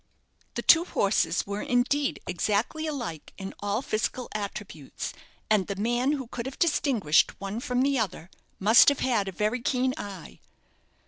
The two horses were indeed exactly alike in all physical attributes, and the man who could have distinguished one from the other must have had a very keen eye.